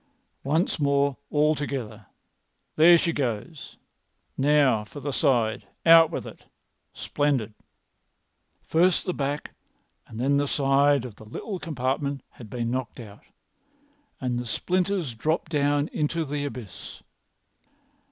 Once more all together! There she goes! Now for the side! Out with it! Splendid!" First the back and then the side of the little compartment had been knocked out, and the splinters dropped down into the abyss.